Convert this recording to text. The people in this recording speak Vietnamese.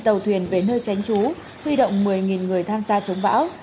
tám tàu thuyền về nơi tránh chú huy động một mươi người tham gia chống bão